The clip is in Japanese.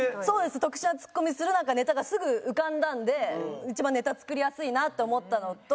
特殊なツッコミするネタがすぐ浮かんだんで一番ネタ作りやすいなって思ったのと。